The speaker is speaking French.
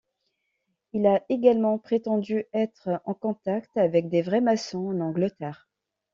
Il a également prétendu être en contact avec les vrais Maçons en Angleterre.